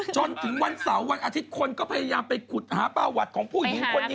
จนถึงวันเสาร์วันอาทิตย์คนก็พยายามไปขุดหาประวัติของผู้หญิงคนนี้